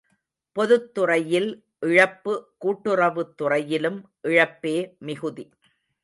பொதுத்துறையில் இழப்பு கூட்டுறவுத் துறையிலும் இழப்பே மிகுதி.